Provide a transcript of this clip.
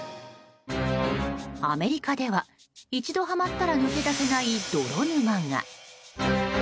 アメリカでは、一度はまったら抜け出せない泥沼が。